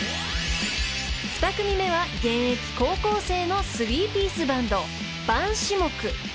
［２組目は現役高校生のスリーピースバンド］